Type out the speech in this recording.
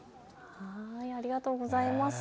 ありがとうございます。